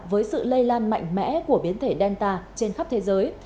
với sự lây lan mạnh mẽ của biến thể delta trên khắp thế giới